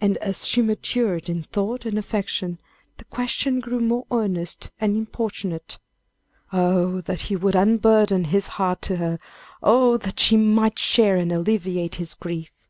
And as she matured in thought and affection, the question grew more earnest and importunate. Oh, that he would unburden his heart to her; oh! that she might share and alleviate his griefs.